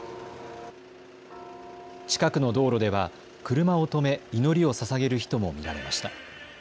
近くの道路では車を止め祈りをささげる人も見られました。